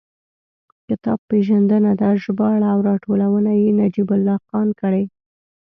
کتاب پېژندنه ده، ژباړه او راټولونه یې نجیب الله خان کړې.